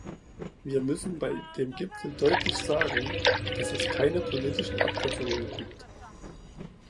Wir müssen bei dem Gipfel deutlich sagen, dass es keine politischen Abkürzungen gibt.